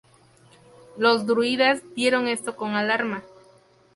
Los druidas vieron esto con alarma.